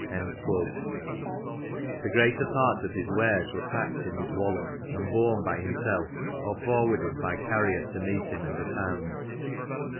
'^ The greater part of his wares were packed in his wallet, and borne by himself or for warded by carrier to meet him in the towns.